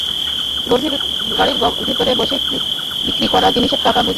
গাড়ির ভেতরে বসে বিক্রি হওয়া জিনিসের টাকা বুঝে নিয়ে রসিদ দিচ্ছিলেন ইব্রাহিম।